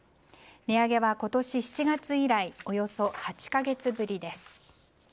値上げは今年７月以来およそ８か月ぶりです。